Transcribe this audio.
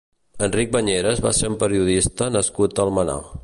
Enric Bañeres va ser un periodista nascut a Almenar.